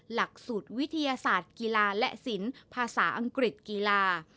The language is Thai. หลักสูตรวิทยาศาสตร์กีฬาและศิลป์ภาษาอังกฤษกีฬา